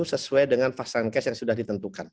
sesuai dengan vaksinasi yang sudah ditentukan